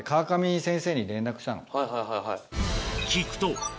はいはいはいはい。